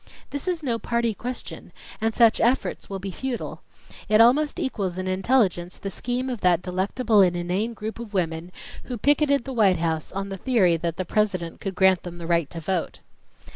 "This is no party question, and such efforts will be futile. It almost equals in intelligence the scheme of that delectable and inane group of women who picketed the White House on the theory that the President could grant them the right to vote."